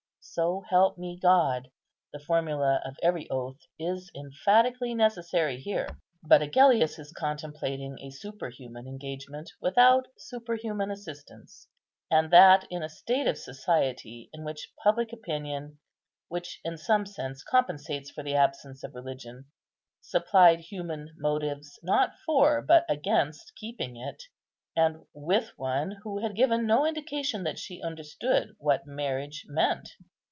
"So help me God," the formula of every oath, is emphatically necessary here. But Agellius is contemplating a superhuman engagement without superhuman assistance; and that in a state of society in which public opinion, which in some sense compensates for the absence of religion, supplied human motives, not for, but against keeping it, and with one who had given no indication that she understood what marriage meant.